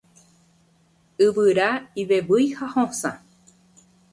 Yvyra ivevýi ha hosã.